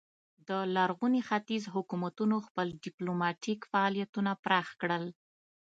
د لرغوني ختیځ حکومتونو خپل ډیپلوماتیک فعالیتونه پراخ کړل